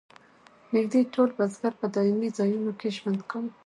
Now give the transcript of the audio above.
نږدې ټول بزګر په دایمي ځایونو کې ژوند کاوه.